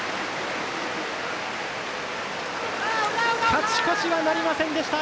勝ち越しはなりませんでした